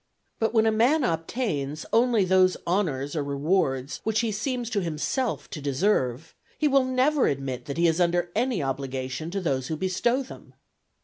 But when a man obtains only those honours or rewards which he seems to himself to deserve, he will never admit that he is under any obligation to those who bestow them.